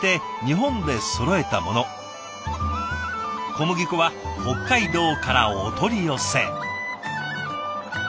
小麦粉は北海道からお取り寄せ。